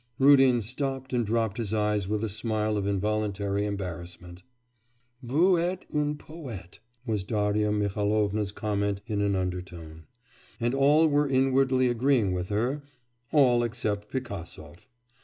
Rudin stopped and dropped his eyes with a smile of involuntary embarrassment. 'Vous êtes un poète,' was Darya Mihailovna's comment in an undertone. And all were inwardly agreeing with her all except Pigasov.